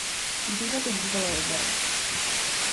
Dříve tu bývalo jezero.